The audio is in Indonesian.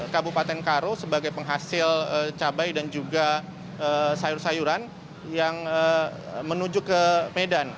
kabupaten karo sebagai penghasil cabai dan juga sayur sayuran yang menuju ke medan